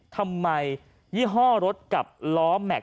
ทำไมยี่ห้อรถกับล้อแม็กซ